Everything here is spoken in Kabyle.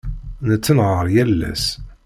Nettenhaṛ yal ass.